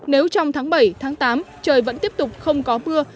nếu trong tháng bảy tháng tám trời vẫn tiếp tục không có mưa